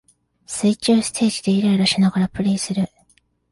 水中ステージでイライラしながらプレイする